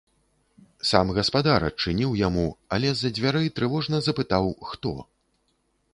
Сам гаспадар адчыніў яму, але з-за дзвярэй трывожна запытаў хто.